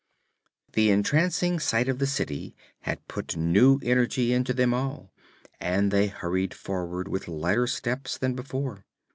The entrancing sight of the city had put new energy into them all and they hurried forward with lighter steps than before.